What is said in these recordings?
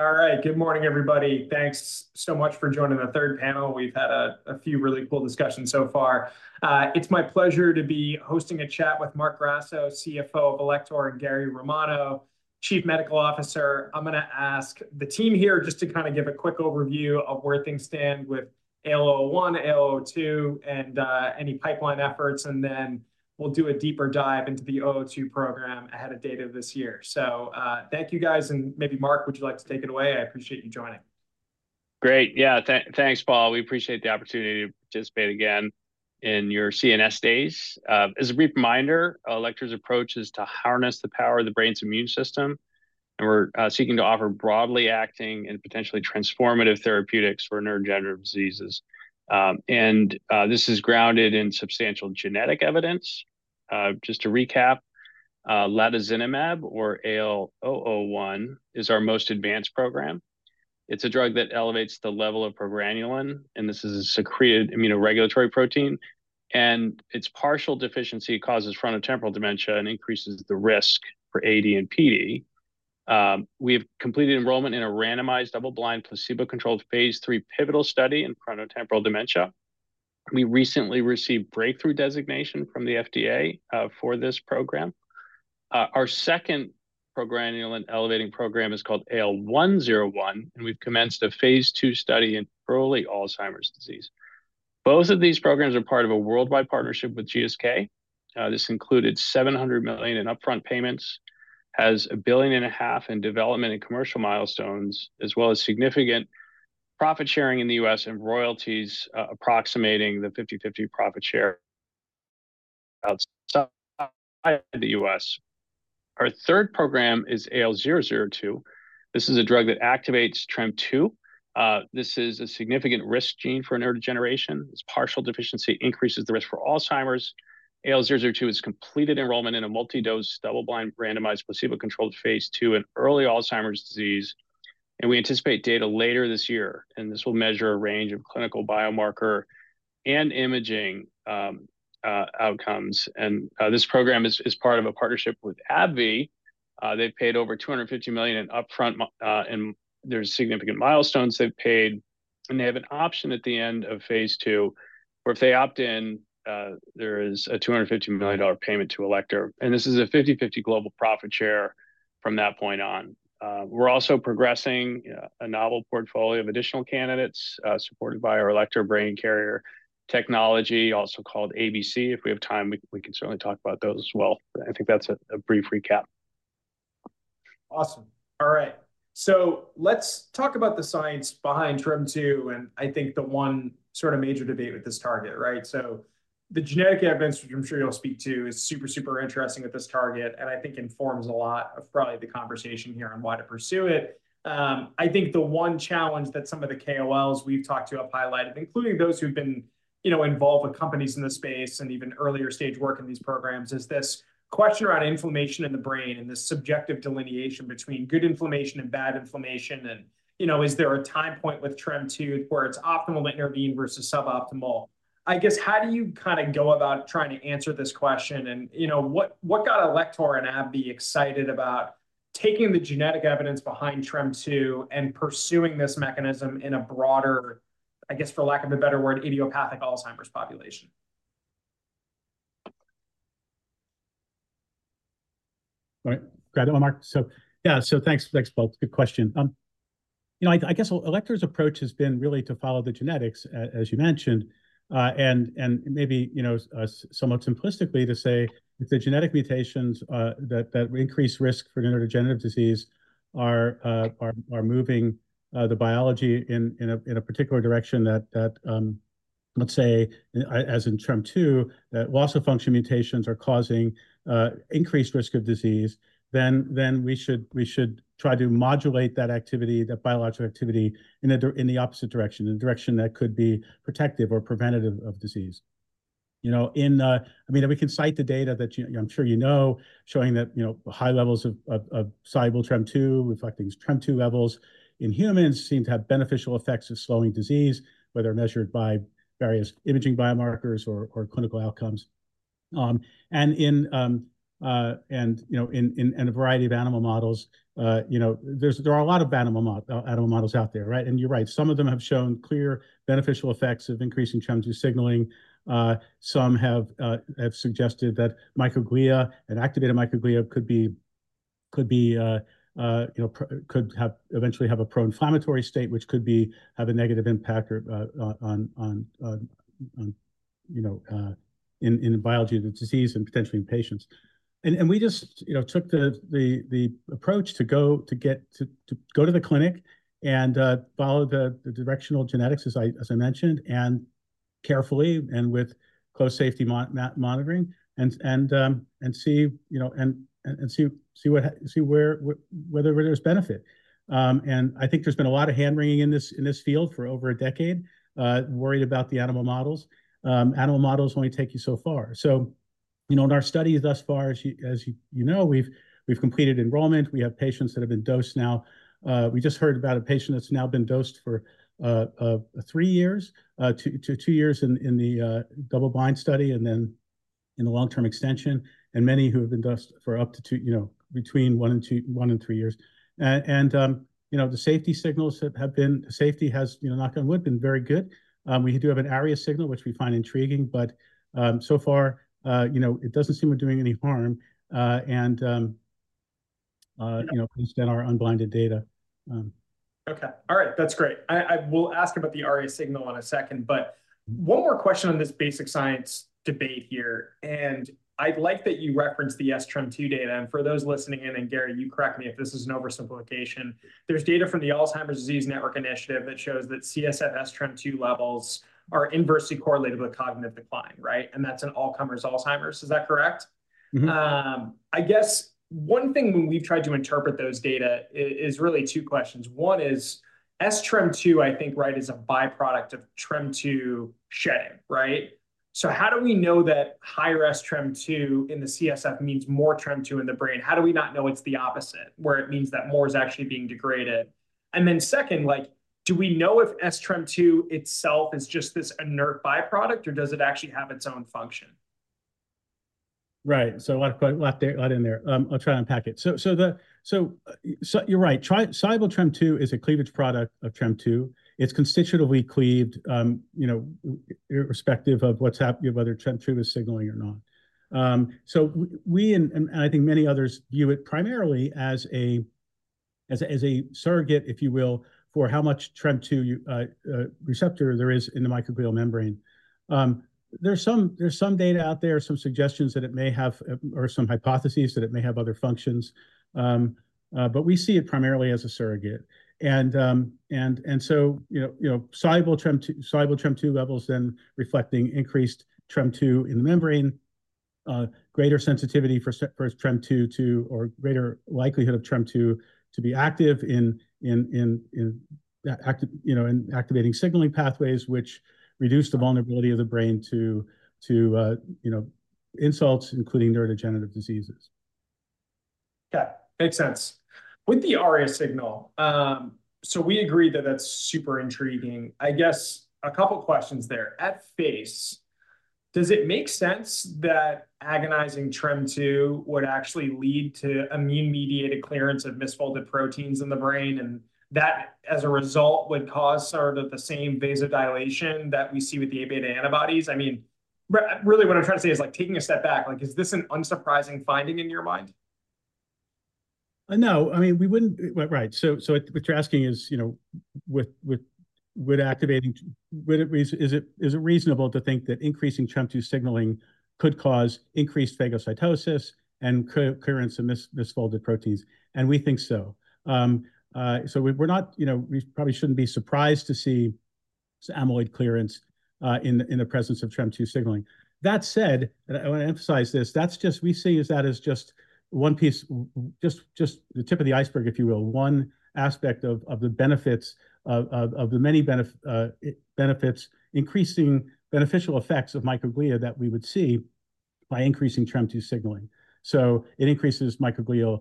All right. Good morning, everybody. Thanks so much for joining the third panel. We've had a few really cool discussions so far. It's my pleasure to be hosting a chat with Marc Grasso, CFO of Alector, and Gary Romano, Chief Medical Officer. I'm gonna ask the team here just to kind of give a quick overview of where things stand with AL001, AL002, and any pipeline efforts, and then we'll do a deeper dive into the 002 program ahead of data of this year. So thank you, guys. And maybe, Marc, would you like to take it away? I appreciate you joining. Great. Yeah, thanks, Paul. We appreciate the opportunity to participate again in your CNS Days. As a brief reminder, Alector's approach is to harness the power of the brain's immune system. We're seeking to offer broadly acting and potentially transformative therapeutics for neurodegenerative diseases. This is grounded in substantial genetic evidence. Just to recap, latozinemab, or AL001, is our most advanced program. It's a drug that elevates the level of progranulin, and this is a secreted immunoregulatory protein. Its partial deficiency causes frontotemporal dementia and increases the risk for AD and PD. We have completed enrollment in a randomized double-blind placebo-controlled phase 3 pivotal study in frontotemporal dementia. We recently received breakthrough designation from the FDA for this program. Our second progranulin-elevating program is called AL101, and we've commenced a phase 2 study in early Alzheimer's disease. Both of these programs are part of a worldwide partnership with GSK. This included $700 million in upfront payments, has $1.5 billion in development and commercial milestones, as well as significant profit sharing in the U.S. and royalties approximating the 50/50 profit share outside the U.S. Our third program is AL002. This is a drug that activates TREM2. This is a significant risk gene for neurodegeneration. Its partial deficiency increases the risk for Alzheimer's. AL002 has completed enrollment in a multidose double-blind randomized placebo-controlled phase 2 in early Alzheimer's disease. We anticipate data later this year, and this will measure a range of clinical biomarker and imaging outcomes. This program is part of a partnership with AbbVie. They've paid over $250 million in upfront, and there's significant milestones they've paid. They have an option at the end of phase 2, where if they opt in, there is a $250 million payment to Alector. This is a 50/50 global profit share from that point on. We're also progressing a novel portfolio of additional candidates supported by our Alector Brain-Carrier technology, also called ABC. If we have time, we can certainly talk about those as well. I think that's a brief recap. Awesome. All right. So let's talk about the science behind TREM2, and I think the one sort of major debate with this target, right? So the genetic evidence, which I'm sure you'll speak to, is super, super interesting with this target, and I think informs a lot of probably the conversation here on why to pursue it. I think the one challenge that some of the KOLs we've talked to have highlighted, including those who've been involved with companies in the space and even earlier stage work in these programs, is this question around inflammation in the brain and this subjective delineation between good inflammation and bad inflammation. And is there a time point with TREM2 where it's optimal to intervene versus suboptimal? I guess, how do you kind of go about trying to answer this question? What got Alector and AbbVie excited about taking the genetic evidence behind TREM2 and pursuing this mechanism in a broader, I guess, for lack of a better word, idiopathic Alzheimer's population? All right. Glad to welcome Marc. So yeah, so thanks, thanks, both. Good question. I guess Alector's approach has been really to follow the genetics, as you mentioned. And maybe somewhat simplistically to say, if the genetic mutations that increase risk for neurodegenerative disease are moving the biology in a particular direction that, let's say, as in TREM2, that loss of function mutations are causing increased risk of disease, then we should try to modulate that activity, that biological activity, in the opposite direction, in a direction that could be protective or preventative of disease. I mean, we can cite the data that I'm sure you know, showing that high levels of soluble TREM2, reflecting TREM2 levels in humans, seem to have beneficial effects of slowing disease, whether measured by various imaging biomarkers or clinical outcomes. In a variety of animal models, there are a lot of animal models out there, right? You're right. Some of them have shown clear beneficial effects of increasing TREM2 signaling. Some have suggested that microglia and activated microglia could eventually have a pro-inflammatory state, which could have a negative impact in biology of the disease and potentially in patients. We just took the approach to go to the clinic and follow the directional genetics, as I mentioned, and carefully and with close safety monitoring, and see what - see whether there's benefit. I think there's been a lot of hand-wringing in this field for over a decade, worried about the animal models. Animal models only take you so far. In our study thus far, as you know, we've completed enrollment. We have patients that have been dosed now. We just heard about a patient that's now been dosed for 3 years, 2 years in the double-blind study, and then in the long-term extension, and many who have been dosed for up to between 1 and 3 years. The safety signals have been, the safety has, knock on wood, been very good. We do have an ARIA signal, which we find intriguing, but so far, it doesn't seem we're doing any harm. And based on our unblinded data. Okay. All right. That's great. We'll ask about the ARIA signal in a second. But one more question on this basic science debate here. And I'd like that you reference the sTREM2 data. And for those listening in, and Gary, you correct me if this is an oversimplification. There's data from the Alzheimer's Disease Network Initiative that shows that CSF sTREM2 levels are inversely correlated with cognitive decline, right? And that's an all-comers Alzheimer's. Is that correct? I guess one thing when we've tried to interpret those data is really two questions. One is sTREM2, I think, right, is a byproduct of TREM2 shedding, right? So how do we know that higher sTREM2 in the CSF means more TREM2 in the brain? How do we not know it's the opposite, where it means that more is actually being degraded? Then second, do we know if sTREM2 itself is just this inert byproduct, or does it actually have its own function? Right. So a lot in there. I'll try to unpack it. So you're right. Soluble TREM2 is a cleavage product of TREM2. It's constitutively cleaved, irrespective of what's happening, whether TREM2 is signaling or not. So we, and I think many others, view it primarily as a surrogate, if you will, for how much TREM2 receptor there is in the microglial membrane. There's some data out there, some suggestions that it may have, or some hypotheses that it may have other functions. But we see it primarily as a surrogate. And so, soluble TREM2 levels then reflecting increased TREM2 in the membrane, greater sensitivity for TREM2 to, or greater likelihood of TREM2 to be active in activating signaling pathways, which reduce the vulnerability of the brain to insults, including neurodegenerative diseases. Okay. Makes sense. With the ARIA signal, so we agree that that's super intriguing. I guess a couple of questions there. At face value, does it make sense that agonizing TREM2 would actually lead to immune-mediated clearance of misfolded proteins in the brain, and that, as a result, would cause sort of the same vasodilation that we see with the A beta antibodies? I mean, really, what I'm trying to say is taking a step back. Is this an unsurprising finding in your mind? No. I mean, we wouldn't, right. So what you're asking is, with activating, is it reasonable to think that increasing TREM2 signaling could cause increased phagocytosis and clearance of misfolded proteins? And we think so. So we're not, we probably shouldn't be surprised to see amyloid clearance in the presence of TREM2 signaling. That said, and I want to emphasize this, we see that as just one piece, just the tip of the iceberg, if you will, one aspect of the benefits of the many increasing beneficial effects of microglia that we would see by increasing TREM2 signaling. So it increases microglial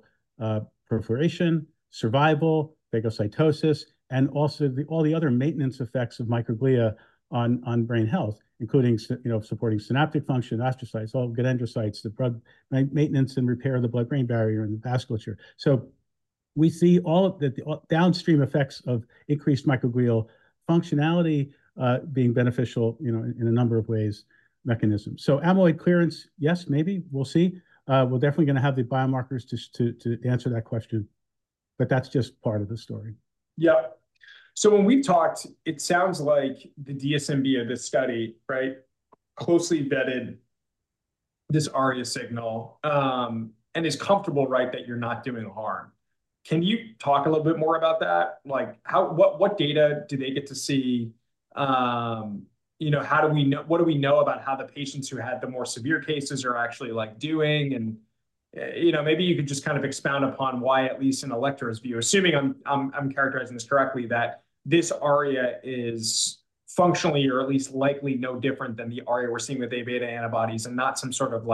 proliferation, survival, phagocytosis, and also all the other maintenance effects of microglia on brain health, including supporting synaptic function, astrocytes, oligodendrocytes, the maintenance and repair of the blood-brain barrier and the vasculature. So we see all that the downstream effects of increased microglial functionality being beneficial in a number of ways. Mechanism. So amyloid clearance, yes, maybe. We'll see. We're definitely going to have the biomarkers to answer that question. But that's just part of the story. Yeah. So when we've talked, it sounds like the DSMB of this study, right, closely vetted this ARIA signal and is comfortable, right, that you're not doing harm. Can you talk a little bit more about that? What data do they get to see? How do we know—what do we know about how the patients who had the more severe cases are actually doing? Maybe you could just kind of expound upon why, at least in Alector's view, assuming I'm characterizing this correctly, that this ARIA is functionally, or at least likely, no different than the ARIA we're seeing with A beta antibodies and not some sort of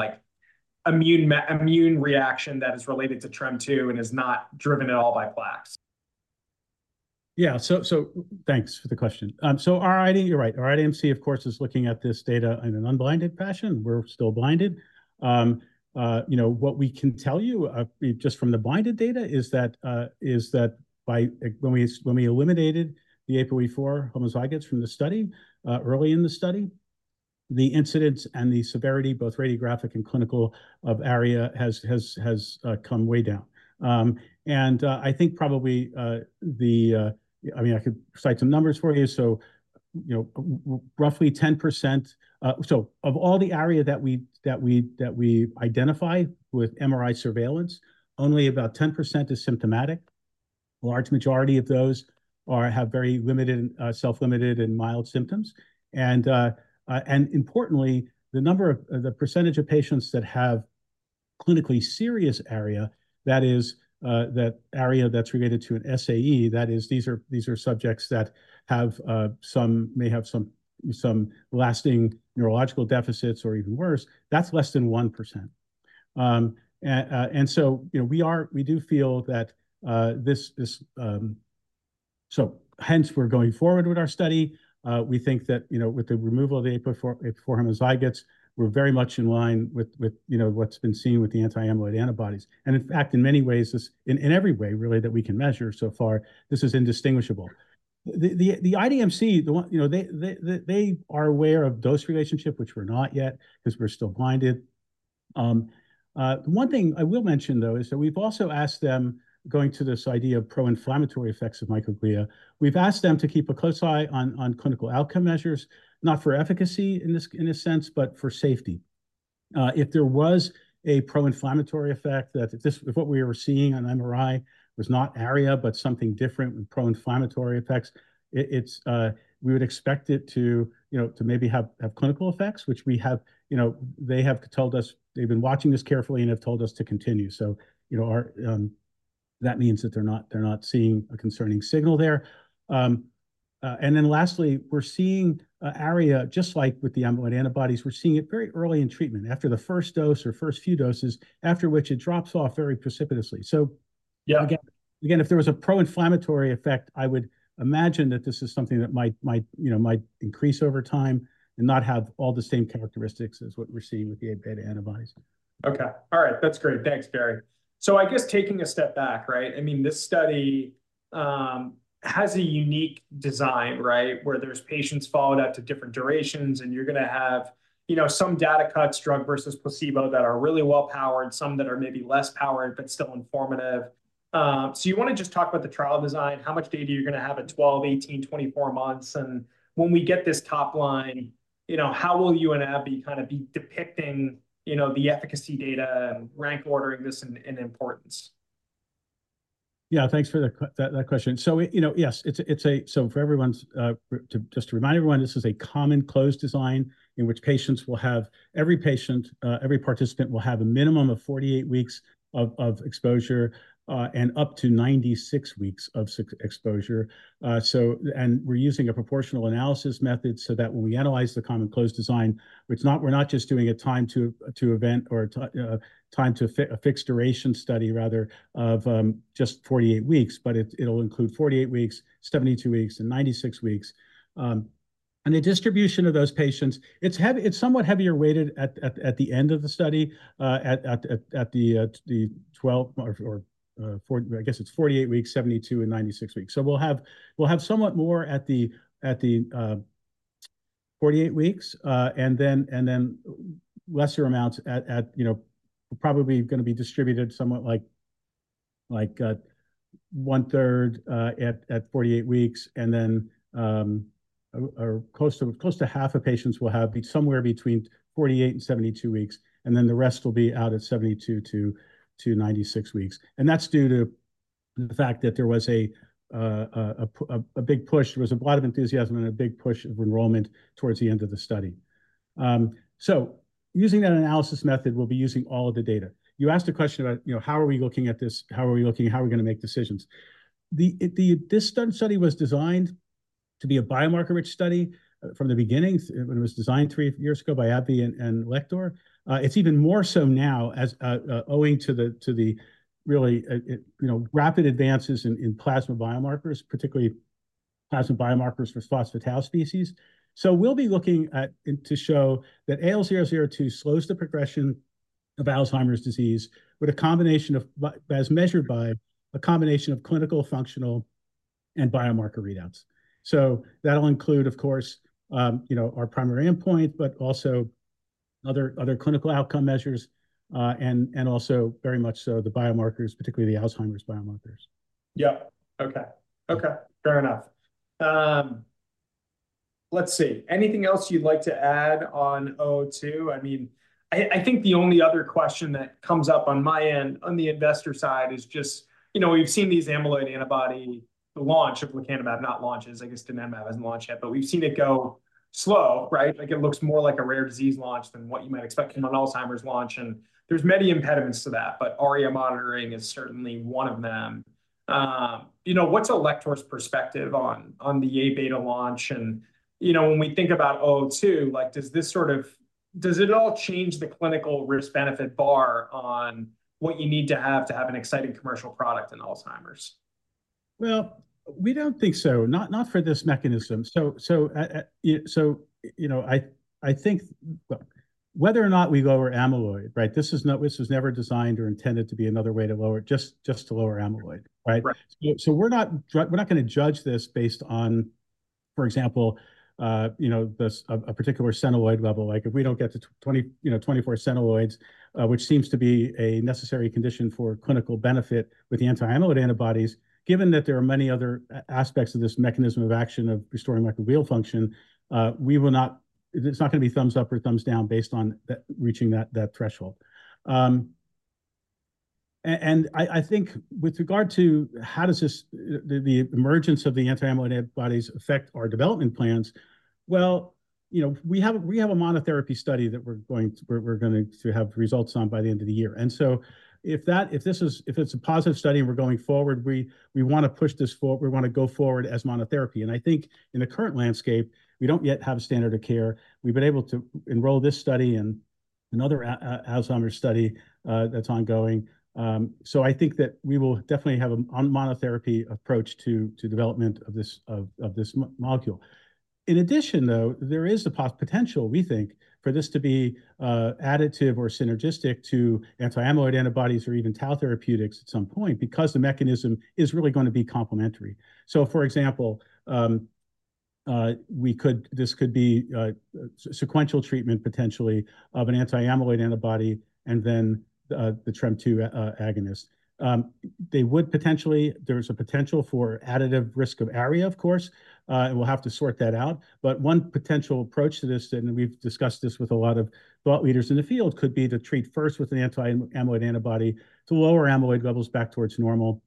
immune reaction that is related to TREM2 and is not driven at all by plaques. Yeah. So thanks for the question. So you're right. Our IDMC, of course, is looking at this data in an unblinded fashion. We're still blinded. What we can tell you just from the blinded data is that when we eliminated the APOE4 homozygotes from the study, early in the study, the incidence and the severity, both radiographic and clinical, of ARIA has come way down. And I think probably the—I mean, I could cite some numbers for you. So roughly 10%. So of all the ARIA that we identify with MRI surveillance, only about 10% is symptomatic. A large majority of those have very self-limited and mild symptoms. And importantly, the number of the percentage of patients that have clinically serious ARIA, that is, that ARIA that's related to an SAE, that is, these are subjects that may have some lasting neurological deficits or even worse. That's less than 1%. So we do feel that this—so hence, we're going forward with our study. We think that with the removal of the APOE4 homozygotes, we're very much in line with what's been seen with the anti-amyloid antibodies. And in fact, in many ways, in every way, really, that we can measure so far, this is indistinguishable. The IDMC, they are aware of dose relationship, which we're not yet because we're still blinded. One thing I will mention, though, is that we've also asked them, going to this idea of pro-inflammatory effects of microglia, we've asked them to keep a close eye on clinical outcome measures, not for efficacy in a sense, but for safety. If there was a pro-inflammatory effect, that what we were seeing on MRI was not ARIA, but something different with pro-inflammatory effects, we would expect it to maybe have clinical effects, which they have told us they've been watching this carefully and have told us to continue. That means that they're not seeing a concerning signal there. Then lastly, we're seeing ARIA, just like with the amyloid antibodies, we're seeing it very early in treatment, after the first dose or first few doses, after which it drops off very precipitously. Again, if there was a pro-inflammatory effect, I would imagine that this is something that might increase over time and not have all the same characteristics as what we're seeing with the A beta antibodies. Okay. All right. That's great. Thanks, Gary. So I guess taking a step back, right? I mean, this study has a unique design, right, where there's patients followed up to different durations, and you're going to have some data cuts, drug versus placebo, that are really well-powered, some that are maybe less powered but still informative. So you want to just talk about the trial design, how much data you're going to have at 12, 18, 24 months. And when we get this top line, how will you and AbbVie kind of be depicting the efficacy data and rank ordering this in importance? Yeah. Thanks for that question. So yes, it's a, so for everyone's, just to remind everyone, this is a common close design in which patients will have, every patient, every participant will have a minimum of 48 weeks of exposure and up to 96 weeks of exposure. And we're using a proportional analysis method so that when we analyze the common close design, we're not just doing a time-to-event or time-to-fixed-duration study, rather, of just 48 weeks, but it'll include 48 weeks, 72 weeks, and 96 weeks. The distribution of those patients, it's somewhat heavier weighted at the end of the study at the 12 or I guess it's 48 weeks, 72, and 96 weeks. So we'll have somewhat more at the 48 weeks and then lesser amounts at probably going to be distributed somewhat like one-third at 48 weeks. Then close to half of patients will have somewhere between 48-72 weeks. Then the rest will be out at 72-96 weeks. That's due to the fact that there was a big push. There was a lot of enthusiasm and a big push of enrollment towards the end of the study. So using that analysis method, we'll be using all of the data. You asked a question about how are we looking at this? How are we looking? How are we going to make decisions? This study was designed to be a biomarker-rich study from the beginning when it was designed three years ago by AbbVie and Alector. It's even more so now owing to the really rapid advances in plasma biomarkers, particularly plasma biomarkers for phospho-tau species. We'll be looking to show that AL002 slows the progression of Alzheimer's disease with a combination of, as measured by, a combination of clinical, functional, and biomarker readouts. That'll include, of course, our primary endpoint, but also other clinical outcome measures and also very much so the biomarkers, particularly the Alzheimer's biomarkers. Yeah. Okay. Okay. Fair enough. Let's see. Anything else you'd like to add on AL002? I mean, I think the only other question that comes up on my end, on the investor side, is just we've seen these amyloid antibody, the launch of lecanemab, not launches. I guess donanemab hasn't launched yet. But we've seen it go slow, right? It looks more like a rare disease launch than what you might expect from an Alzheimer's launch. And there's many impediments to that, but ARIA monitoring is certainly one of them. What's Alector's perspective on the A beta launch? And when we think about AL002, does this sort of, does it all change the clinical risk-benefit bar on what you need to have to have an exciting commercial product in Alzheimer's? Well, we don't think so, not for this mechanism. So I think whether or not we lower amyloid, right, this was never designed or intended to be another way to lower it, just to lower amyloid, right? So we're not going to judge this based on, for example, a particular centiloid level. If we don't get to 24 centiloids, which seems to be a necessary condition for clinical benefit with the anti-amyloid antibodies, given that there are many other aspects of this mechanism of action of restoring microglial function, it's not going to be thumbs up or thumbs down based on reaching that threshold. And I think with regard to how does the emergence of the anti-amyloid antibodies affect our development plans? Well, we have a monotherapy study that we're going to have results on by the end of the year. If this is a positive study and we're going forward, we want to push this forward. We want to go forward as monotherapy. I think in the current landscape, we don't yet have a standard of care. We've been able to enroll this study and another Alzheimer's study that's ongoing. I think that we will definitely have a monotherapy approach to development of this molecule. In addition, though, there is the potential, we think, for this to be additive or synergistic to anti-amyloid antibodies or even tau therapeutics at some point because the mechanism is really going to be complementary. For example, this could be sequential treatment, potentially, of an anti-amyloid antibody and then the TREM2 agonist. There's a potential for additive risk of ARIA, of course. We'll have to sort that out. But one potential approach to this, and we've discussed this with a lot of thought leaders in the field, could be to treat first with an anti-amyloid antibody to lower amyloid levels back towards normal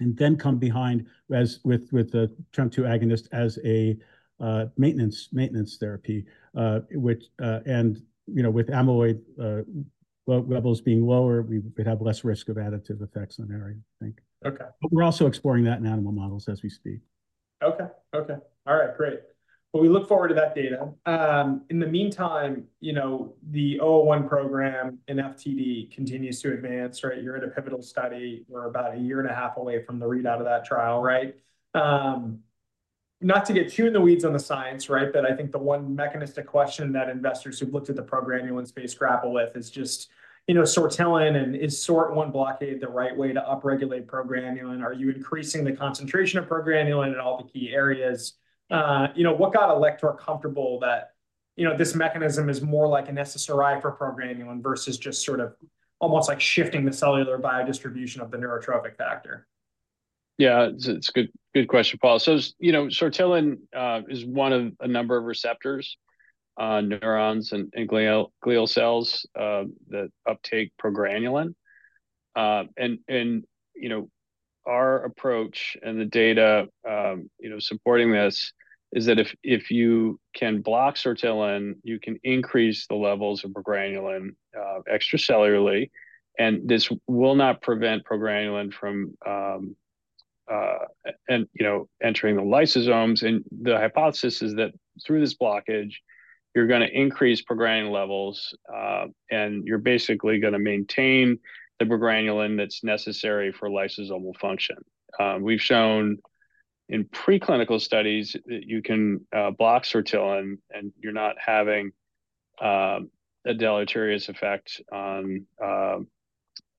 and then come behind with the TREM2 agonist as a maintenance therapy. And with amyloid levels being lower, we'd have less risk of additive effects on ARIA, I think. But we're also exploring that in animal models as we speak. Okay. Okay. All right. Great. Well, we look forward to that data. In the meantime, the AL001 program and FTD continues to advance, right? You're at a pivotal study. We're about a year and a half away from the readout of that trial, right? Not to get too in the weeds on the science, right? But I think the one mechanistic question that investors who've looked at the progranulin space grapple with is just sortilin and is sortilin blockade the right way to upregulate progranulin? Are you increasing the concentration of progranulin in all the key areas? What got Alector comfortable that this mechanism is more like an SSRI for progranulin versus just sort of almost like shifting the cellular biodistribution of the neurotrophic factor? Yeah. It's a good question, Paul. So sortilin is one of a number of receptors, neurons, and glial cells that uptake progranulin. And our approach and the data supporting this is that if you can block sortilin, you can increase the levels of progranulin extracellularly. And this will not prevent progranulin from entering the lysosomes. The hypothesis is that through this blockage, you're going to increase progranulin levels, and you're basically going to maintain the progranulin that's necessary for lysosomal function. We've shown in preclinical studies that you can block sortilin, and you're not having a deleterious effect on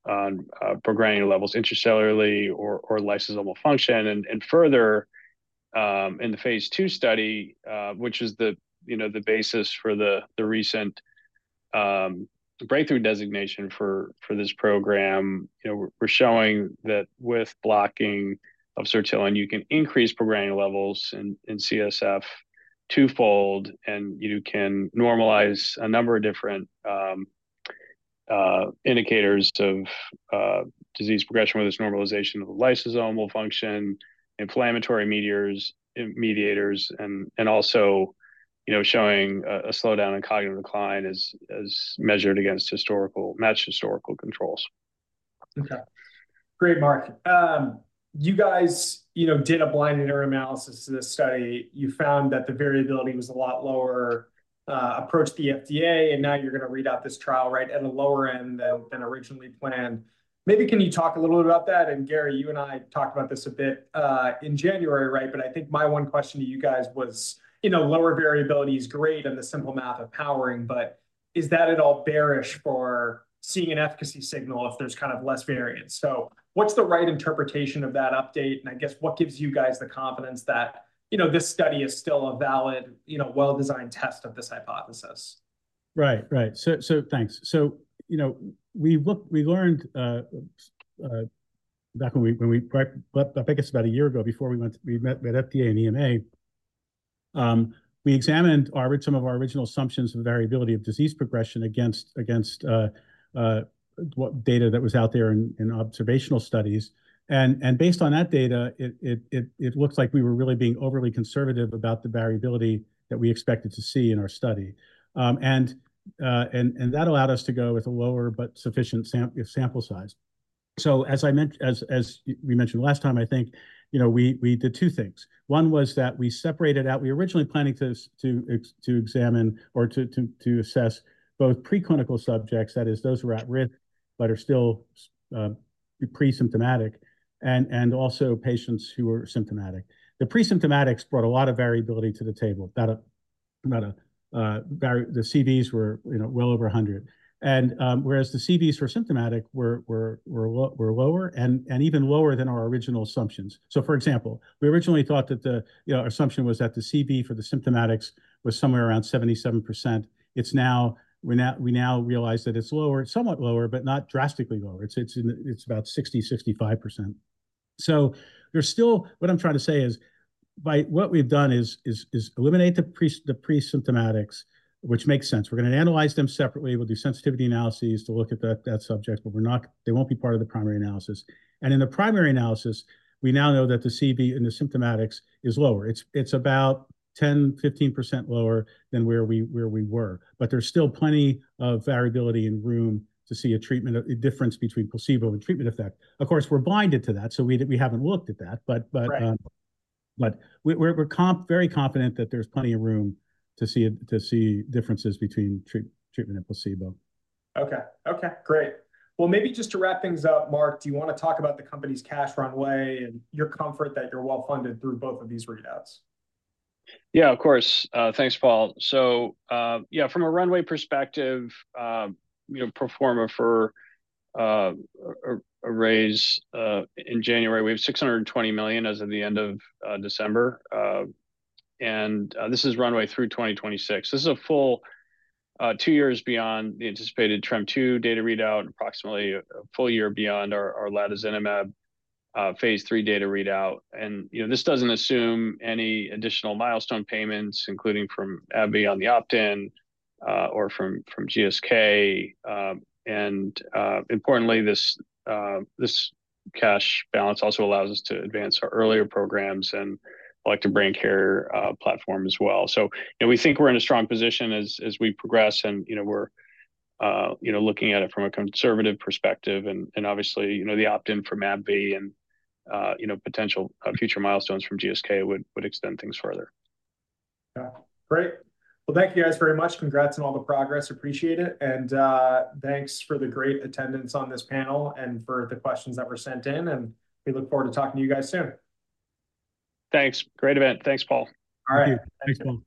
progranulin levels intracellularly or lysosomal function. Further, in the phase 2 study, which is the basis for the recent breakthrough designation for this program, we're showing that with blocking of sortilin, you can increase progranulin levels in CSF twofold, and you can normalize a number of different indicators of disease progression with this normalization of the lysosomal function, inflammatory mediators, and also showing a slowdown in cognitive decline as measured against matched historical controls. Okay. Great, Marc. You guys did a blind interim analysis to this study. You found that the variability was a lot lower. Approached the FDA, and now you're going to readout this trial, right, at a lower end than originally planned. Maybe can you talk a little bit about that? And Gary, you and I talked about this a bit in January, right? But I think my one question to you guys was lower variability is great and the simple math of powering, but is that at all bearish for seeing an efficacy signal if there's kind of less variance? So what's the right interpretation of that update? And I guess what gives you guys the confidence that this study is still a valid, well-designed test of this hypothesis? Right. Right. So thanks. So we learned back when we—I think it's about a year ago—before we met FDA and EMA, we examined some of our original assumptions of variability of disease progression against data that was out there in observational studies. And based on that data, it looked like we were really being overly conservative about the variability that we expected to see in our study. And that allowed us to go with a lower but sufficient sample size. So as we mentioned last time, I think we did two things. One was that we separated out. We originally planned to examine or to assess both preclinical subjects, that is, those who are at risk but are still presymptomatic, and also patients who were symptomatic. The presymptomatics brought a lot of variability to the table. The CVs were well over 100. Whereas the CVs for symptomatic were lower and even lower than our original assumptions. So, for example, we originally thought that the assumption was that the CV for the symptomatics was somewhere around 77%. We now realize that it's somewhat lower, but not drastically lower. It's about 60%-65%. So what I'm trying to say is what we've done is eliminate the presymptomatics, which makes sense. We're going to analyze them separately. We'll do sensitivity analyses to look at that subject, but they won't be part of the primary analysis. In the primary analysis, we now know that the CV in the symptomatics is lower. It's about 10%-15% lower than where we were. But there's still plenty of variability in room to see a difference between placebo and treatment effect. Of course, we're blinded to that, so we haven't looked at that. But we're very confident that there's plenty of room to see differences between treatment and placebo. Okay. Okay. Great. Well, maybe just to wrap things up, Marc, do you want to talk about the company's cash runway and your comfort that you're well-funded through both of these readouts? Yeah, of course. Thanks, Paul. So from a runway perspective, we performed a raise in January, we have $620 million as of the end of December. And this is runway through 2026. This is a full two years beyond the anticipated TREM2 data readout, approximately a full year beyond our latozinemab phase three data readout. And this doesn't assume any additional milestone payments, including from AbbVie on the opt-in or from GSK. Importantly, this cash balance also allows us to advance our earlier programs and Alector Brain Carrier platform as well. So we think we're in a strong position as we progress, and we're looking at it from a conservative perspective. And obviously, the opt-in from AbbVie and potential future milestones from GSK would extend things further. Okay. Great. Well, thank you guys very much. Congrats on all the progress. Appreciate it. And thanks for the great attendance on this panel and for the questions that were sent in. And we look forward to talking to you guys soon. Thanks. Great event. Thanks, Paul. All right. Thanks, Paul.